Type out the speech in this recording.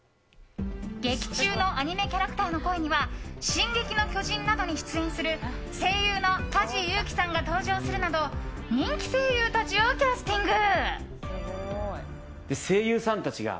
劇中のアニメキャラクターの声には「進撃の巨人」などに出演する声優の梶裕貴さんが登場するなど人気声優たちをキャスティング。